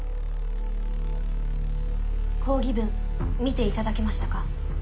抗議文見ていただきましたか。